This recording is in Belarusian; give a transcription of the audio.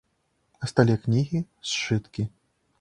На стале кнігі, сшыткі.